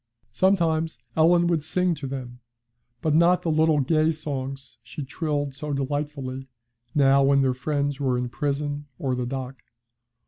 Sometimes Ellen would sing to them, but not the little gay songs she trilled so delightfully, now when their friends were in prison or the dock.